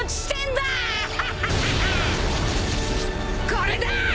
これだ！